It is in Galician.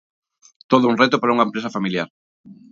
Todo un reto para unha empresa familiar.